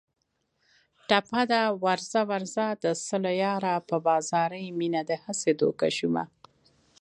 ټپه ده: ورځه ورځه د سلو یاره په بازاري مینه دې هسې دوکه شومه